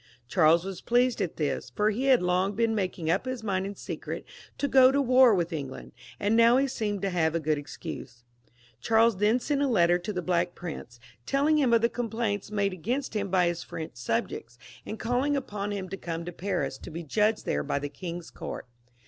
Charles was pleased at this, for he had long been making up his mind in secret to go to war with England, and now he seemed to have a good excuse. Charles then sent a letter to the Black Prince, telling him of the complaints made against him by his R:ench subjects, and calling upon him to come to Paris to be judged there by the king's court.